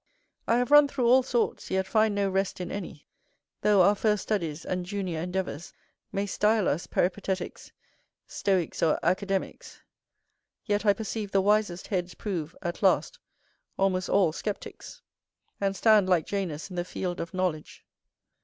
I have run through all sorts, yet find no rest in any: though our first studies and junior endeavours may style us Peripateticks, Stoicks, or Academicks, yet I perceive the wisest heads prove, at last, almost all Scepticks, and stand like Janus in the field of knowledge.